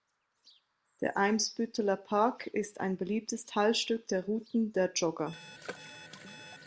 Der Eimsbütteler Park ist ein beliebtes Teilstück der Routen der Jogger.